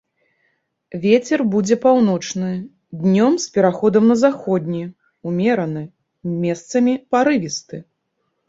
Вецер будзе паўночны, днём з пераходам на заходні, умераны, месцамі парывісты.